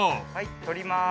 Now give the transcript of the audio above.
撮ります